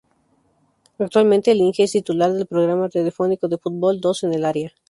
Actualmente, "el Inge" es titular del programa radiofónico de fútbol "Dos en el área.